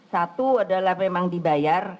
satu adalah memang dibayar